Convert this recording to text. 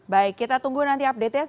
baik kita tunggu nanti update nya